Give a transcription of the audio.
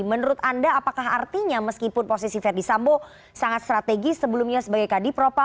menurut anda apakah artinya meskipun posisi verdi sambo sangat strategis sebelumnya sebagai kadipropa